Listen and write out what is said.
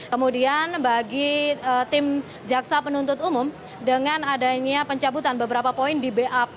kemudian bagi tim jaksa penuntut umum dengan adanya pencabutan beberapa poin di bap